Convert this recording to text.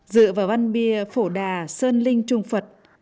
dựa vào văn bia phổ đà sơn linh trung phật